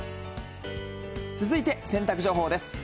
続いて洗濯情報です。